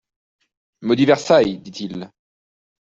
«Maudit Versailles ! dit-il.